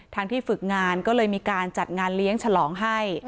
ที่ฝึกงานก็เลยมีการจัดงานเลี้ยงฉลองให้